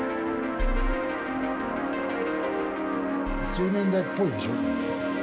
８０年代っぽいでしょ？